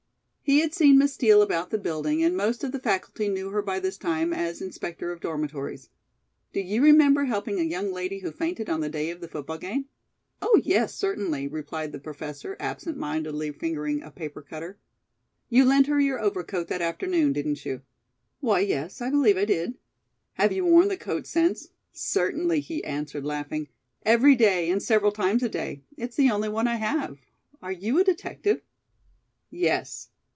He had seen Miss Steel about the building and most of the Faculty knew her by this time as "Inspector of Dormitories." "Do you remember helping a young lady who fainted on the day of the football game?" "Oh, yes, certainly," replied the Professor, absent mindedly fingering a paper cutter. "You lent her your overcoat that afternoon, didn't you?" "Why, yes; I believe I did." "Have you worn the coat since?" "Certainly," he answered, laughing; "every day, and several times a day. It's the only one I have. Are you a detective?" "Yes.